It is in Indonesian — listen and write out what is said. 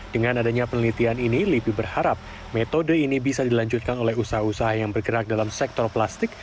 dengan adanya penelitian ini lipi berharap metode ini bisa dilanjutkan oleh usaha usaha yang bergerak dalam sektor plastik